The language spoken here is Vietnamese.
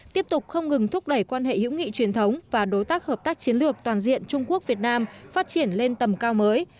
tiếp tục không ngừng thúc đẩy quan hệ hữu nghị truyền thống và đối tác hợp tác chiến lược toàn diện trung quốc việt nam phát triển lên tầm cao mới